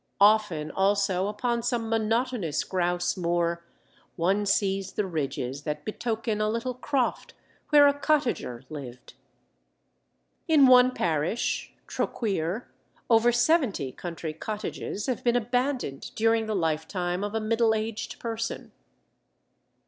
Often also, upon some monotonous grouse moor, one sees the ridges that betoken a little croft where a cottager lived. In one parish (Troqueer) over seventy country cottages have been abandoned during the lifetime of a middle aged person.